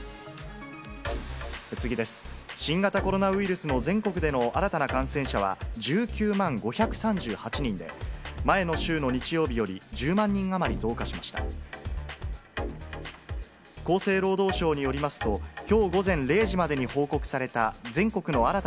新型コロナウイルスの全国での新たな感染者は１９万５３８人で、前の週の日曜日より１０万人余り増加しました。